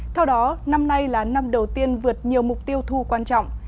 theo đó năm nay là năm đầu tiên vượt nhiều mục tiêu thu quan trọng